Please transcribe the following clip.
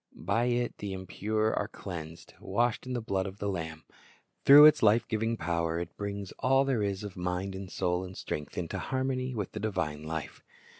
By it the impure are cleansed, washed in the blood of the Lamb. Through its life giving power it brings all there is of mind and soul and strength into harmony with the divine life.